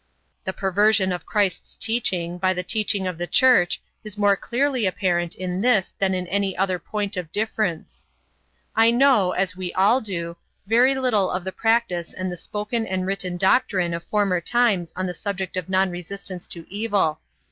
The perversion of Christ's teaching by the teaching of the Church is more clearly apparent in this than in any other point of difference. I know as we all do very little of the practice and the spoken and written doctrine of former times on the subject of non resistance to evil.